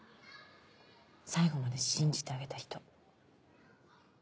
最後まで信じてあげた人。